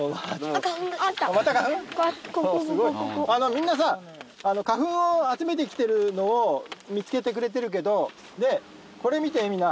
みんなさ花粉を集めて来てるのを見つけてくれてるけどこれ見てみんな。